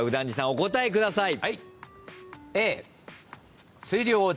お答えください。